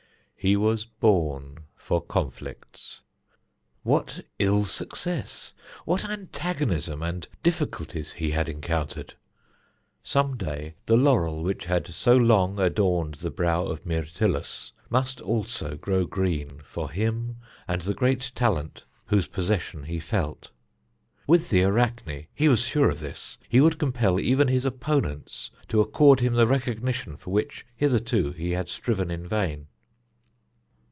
He was born for conflicts. What ill success, what antagonism and difficulties he had encountered! Some day the laurel which had so long adorned the brow of Myrtilus must also grow green for him and the great talent whose possession he felt. With the Arachne he was sure of this he would compel even his opponents to accord him the recognition for which hitherto he had striven in vain.